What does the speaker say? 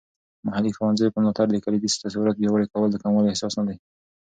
محلي ښوونځیو په ملاتړ د کلیدي تصورات پیاوړي کول د کموالی احساس نه دی.